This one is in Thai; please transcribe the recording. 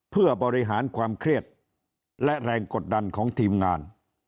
เพื่อบริหารความเครียดและแรงกดดันของทีมงาน